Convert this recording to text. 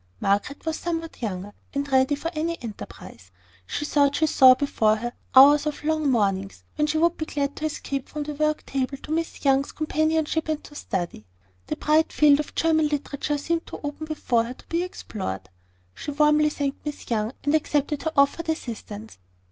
Margaret was somewhat younger, and ready for any enterprise. She thought she saw before her hours of long mornings, when she should be glad to escape from the work table to Miss Young's companionship and to study. The bright field of German literature seemed to open before her to be explored. She warmly thanked Miss Young, and accepted her offered assistance.